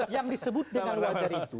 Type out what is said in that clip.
yang disebut dengan wajar itu